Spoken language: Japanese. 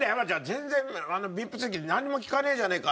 全然ＶＩＰ席なんにも利かねえじゃねえか！」